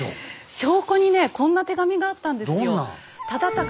証拠にねこんな手紙があったんですよ。